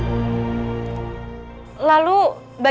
dia tidak bisa dipercaya